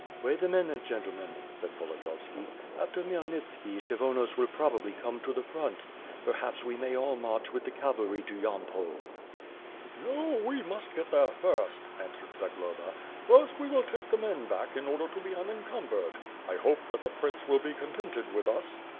"Wait a minute, gentlemen,'' said Volodiyovski, "after Khmyelnitski, Kshyvonos will probably come to the front. Perhaps we may all march with the cavalry to Yampol." "No, we must get there first," answered Zagloba, "First we will take the men back, in order to be unencumbered. I hope that the prince will be contented with us."